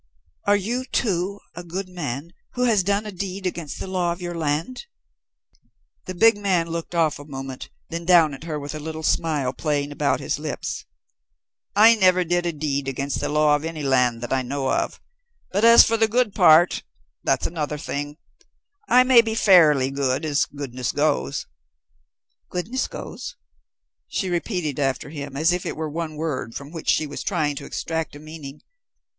"Are you, too, a good man who has done a deed against the law of your land?" The big man looked off a moment, then down at her with a little smile playing about his lips. "I never did a deed against the law of any land that I know of, but as for the good part that's another thing. I may be fairly good as goodness goes." "Goodnessgoes!" She repeated after him as if it were one word from which she was trying to extract a meaning.